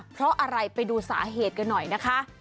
เพราะอะไรไปดูสาเหตุกันหน่อยนะคะ